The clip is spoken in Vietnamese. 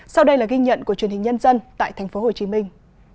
sau đây là ghi nhận của truyền hình nhân dân tại thành phố hồ chí minh